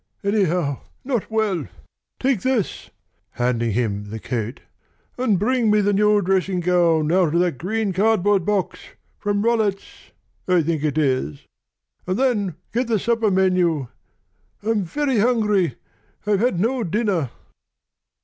Anyhow, not well. Take this," handing him the coat, "and bring me the new dressing gown out of that green cardboard box from Rollet's I think it is. And then get the supper menu. I'm very hungry. I've had no dinner."